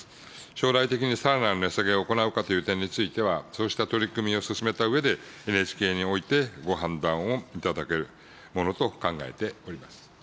将来的にさらなる値下げを行うかという点については、そうした取り組みを進めたうえで、ＮＨＫにおいてご判断をいただけるものと考えております。